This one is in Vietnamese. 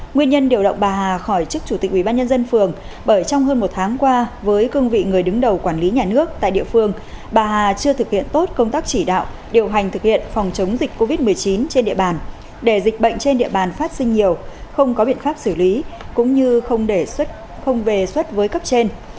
nguyên nhân điều động bà hà khỏi chức chủ tịch ubnd phường bởi trong hơn một tháng qua với cương vị người đứng đầu quản lý nhà nước tại địa phương bà hà chưa thực hiện tốt công tác chỉ đạo điều hành thực hiện phòng chống dịch covid một mươi chín trên địa bàn để dịch bệnh trên địa bàn phát sinh nhiều không có biện pháp xử lý cũng như không về xuất với cấp trên